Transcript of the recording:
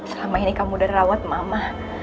selama ini kamu udah rawat mama